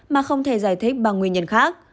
mà không thể giải thích bằng nguyên nhân khác